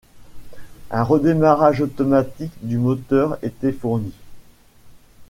Un redémarrage automatique du moteur était fourni.